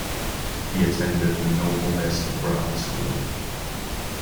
He attended the Novo Mesto Grammar School.